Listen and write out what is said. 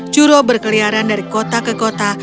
curo berkeliaran dari kota ke kota